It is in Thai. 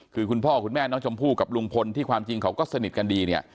คือคุณพ่อคุณแม่น้องชมพู่กับลุงพลที่ความจริงเขาก็สนิทกันดีเนี่ย